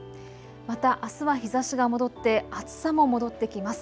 またあすは日ざしが戻って暑さも戻ってきます。